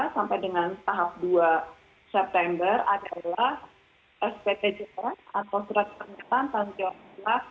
sampai dengan tahap dua september adalah sptjk atau surat pernyataan tanggung jawab